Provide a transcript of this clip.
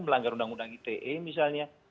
melanggar undang undang ite misalnya